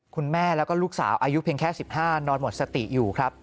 คุณแม่แล้วก็ลูกสาวอายุเพียงแค่๑๕นอนหมดสติอยู่ครับ